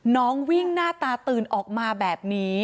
น้องวิ่งหน้าตาตื่นออกมาแบบนี้